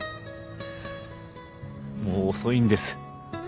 もう遅いんです。